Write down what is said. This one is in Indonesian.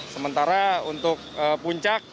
sementara untuk puncak